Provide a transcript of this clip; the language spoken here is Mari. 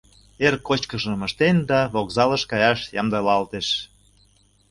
Эр кочкышым ыштен да вокзалыш каяш ямдылалтеш.